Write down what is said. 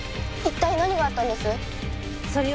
一体何があったんです？